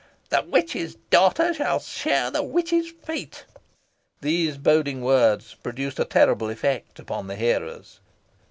The witch's daughter shall share the witch's fate." These boding words produced a terrible effect upon the hearers.